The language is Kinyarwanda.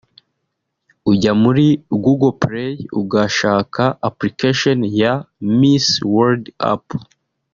ujya muri google play ugashaka application ya Miss world App